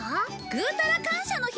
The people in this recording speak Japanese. ぐうたら感謝の日！